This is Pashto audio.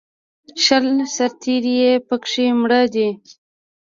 شل سرتېري یې په کې مړه دي